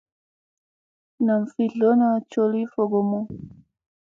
Nam fi dlona coli fokomu.